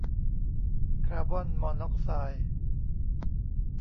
คาร์บอนมอนอกไซด์